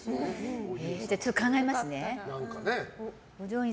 ちょっと考えますね。